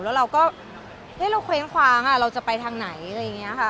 แล้วเราก็เราเคว้งคว้างเราจะไปทางไหนอะไรอย่างนี้ค่ะ